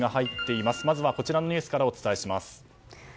まずはこちらのニュースからお伝えします。